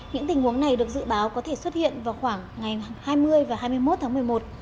những tình huống này được dự báo có thể xuất hiện vào khoảng ngày hai mươi và hai mươi một tháng một mươi một